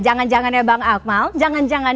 jangan jangan ya bang akmal jangan jangan